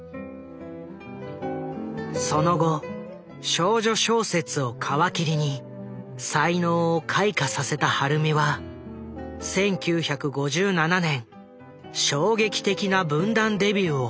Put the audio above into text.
その後少女小説を皮切りに才能を開花させた晴美は１９５７年衝撃的な文壇デビューを果たす。